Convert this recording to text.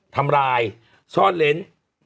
ทำร้ายซ่อนเล้น